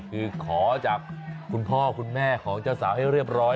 คือขอจากคุณพ่อคุณแม่ของเจ้าสาวให้เรียบร้อย